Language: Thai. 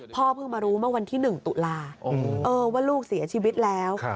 เพิ่งมารู้เมื่อวันที่๑ตุลาว่าลูกเสียชีวิตแล้ว